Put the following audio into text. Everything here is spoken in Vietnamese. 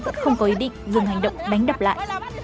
vẫn không có ý định dừng hành động đánh đập lại